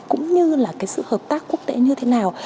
cũng như là cái sự hợp tác quốc tế như thế nào